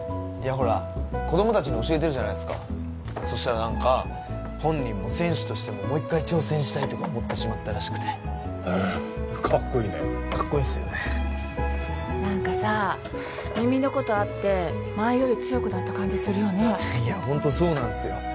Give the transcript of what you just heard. いやほら子供達に教えてるじゃないですかそしたらなんか本人も選手としてももう一回挑戦したいとか思ってしまったらしくてえっかっこいいねかっこいいっすよねなんかさ耳のことあって前より強くなった感じするよねいやホントそうなんですよ